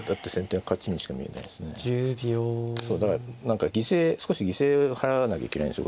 そうだから何か犠牲少し犠牲を払わなきゃいけないんですよ